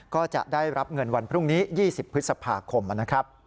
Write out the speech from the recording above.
ก็จะได้รับเงินวันพรุ่งนี้๒๐พฤษภาคมนะครับ